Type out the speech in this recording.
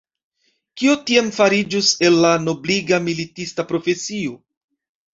Kio tiam fariĝus el la nobliga militista profesio?